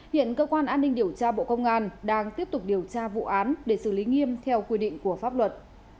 hiện cơ quan an ninh điều tra bộ công an đang tiếp tục điều tra vụ án để xử lý nghiêm theo quy định của pháp luật